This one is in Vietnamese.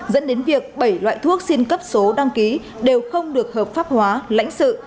dẫn đến việc bảy loại thuốc xin cấp số đăng ký đều không được hợp pháp hóa lãnh sự